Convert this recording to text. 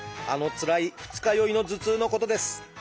あのつらい二日酔いの頭痛のことです。